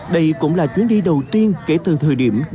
đây cũng là chuyến đi đầu tiên kể từ thời điểm